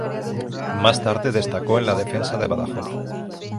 Más tarde destacó en la defensa de Badajoz.